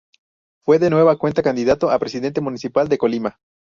Fue de nueva cuenta candidato a presidente municipal de Colima.